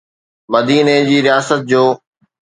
مديني جي رياست جو.